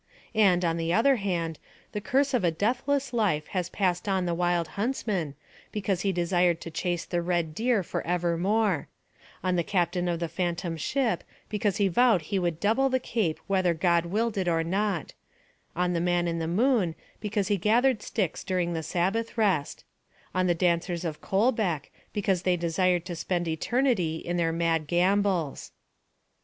And, on the other hand, the curse of a deathless life has passed on the Wild Huntsman, because he desired to chase the red deer for evermore; on the Captain of the Phantom Ship, because he vowed he would double the Cape whether God willed it or not; on the Man in the Moon, because he gathered sticks during the Sabbath rest; on the dancers of Kolbeck, because they desired to spend eternity in their mad gambols.